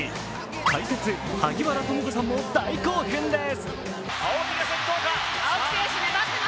解説・萩原智子さんも大興奮です。